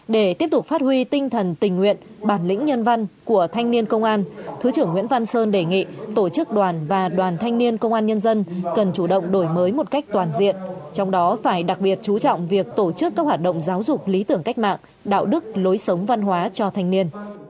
để tiếp tục phát huy tinh thần tình nguyện bản lĩnh nhân văn của thanh niên công an thứ trưởng nguyễn văn sơn đề nghị tổ chức đoàn và đoàn thanh niên công an nhân dân cần chủ động đổi mới một cách toàn diện trong đó phải đặc biệt chú trọng việc tổ chức các hoạt động giáo dục lý tưởng cách mạng đạo đức lối sống văn hóa cho thanh niên